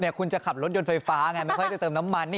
คุณจะขับรถยนต์ไฟฟ้าไงไม่ค่อยจะเติมน้ำมัน